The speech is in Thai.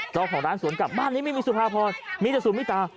เจ้าของร้านสวนกลับบ้านนี้ไม่มีสุภาพรมีแต่สวนมิตา